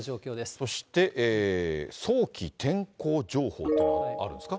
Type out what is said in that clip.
そして早期天候情報というのがあるんですか。